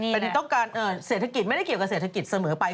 เป็นต้องการเศรษฐกิจไม่ได้เกี่ยวกับเศรษฐกิจเสมอไป